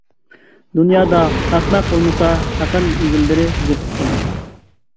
دۇنيادا ئەخمەق بولمىسا، ئەقىل ئىگىلىرى زېرىكىپ قالار.